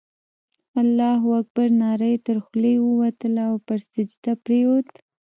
الله اکبر ناره یې تر خولې ووتله او پر سجده پرېوت.